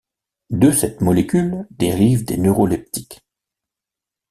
De cette molécule dérivent des neuroleptiques.